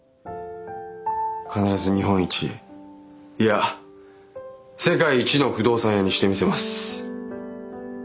必ず日本一いや世界一の不動産屋にしてみせます！